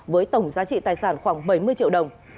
với tổng giá trị tài sản khoảng bảy mươi triệu đồng